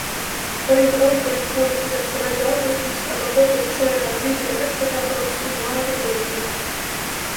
Parimad autorid kuulutatakse välja augustis, aga fotod ise jäävad kõigile kättesaadavaks kuni aegade lõpuni.